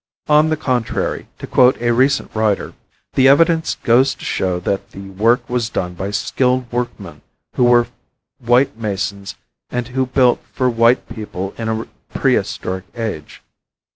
On the contrary, to quote a recent writer, "The evidence goes to show that the work was done by skilled workmen who were white masons and who built for white people in a prehistoric age."